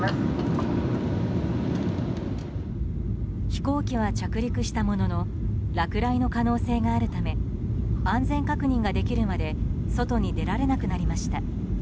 飛行機は着陸したものの落雷の可能性があるため安全確認ができるまで外に出られなくなりました。